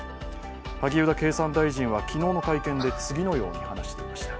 萩生田経産大臣は昨日の会見で次のように話していました。